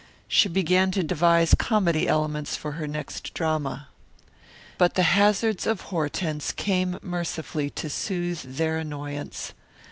She began to devise comedy elements for her next drama. But The Hazards of Hortense came mercifully to soothe their annoyance.